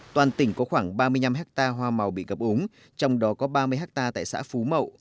toàn tỉnh có khoảng ba mươi năm hectare hoa màu bị ngập úng trong đó có ba mươi hectare tại xã phú mậu